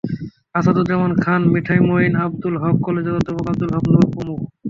আসাদুজ্জামান খান, মিঠামইন আবদুল হক কলেজের অধ্যক্ষ আবদুল হক নুরু প্রমুখ।